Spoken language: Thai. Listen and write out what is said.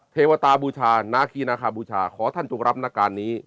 เทวตาบูชานาคีนาคาบูชาขอท่านจงรับนักการนี้